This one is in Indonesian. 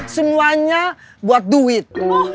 semuanya buat duit